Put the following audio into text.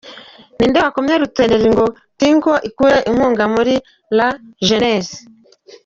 Ni nde wakomye rutenderi ngo Tinco ikure inkunga muri La Jeunesse ?.